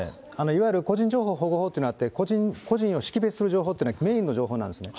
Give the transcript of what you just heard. いわゆる個人情報保護法というのがあって、個人を識別する情報っていうのは、メインの情報なんですね。